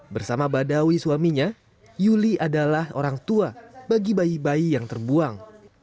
bersama badawi suaminya yuli adalah orang tua bagi bayi bayi yang terbuang